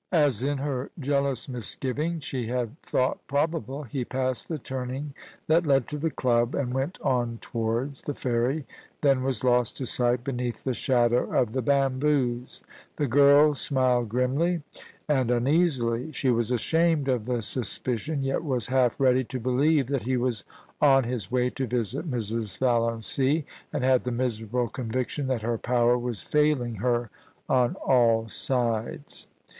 As in her jealous misgivings she had thought probable, he passed the turning that led to the club, and went on towards the ferry, then was lost to sight beneath the shadow of the bamboos. The girl smiled grimly and FA THER AND DA UGHTER. 1 41 uneasily. She was ashamed of the suspicion, yet was half ready to believe that he was on his way to visit Mrs. Val iancy, and had the miserable conviction that her power was failing her on all sides.